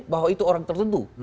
bahwa itu orang tertentu